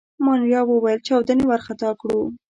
مانیرا وویل: چاودنې وارخطا کړو.